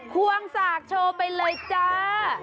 ควงสากโชว์ไปเลยจ้า